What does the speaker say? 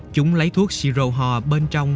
chúng lấy thuốc si rô ho bên trong